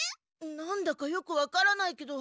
なんだかよくわからないけど。